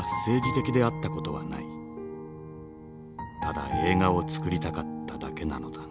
ただ映画を作りたかっただけなのだが」。